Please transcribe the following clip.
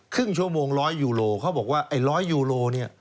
ครึ่งชั่วโมงร้อยยูโรเขาบอกว่าไอ้ร้อยยูโรเนี่ย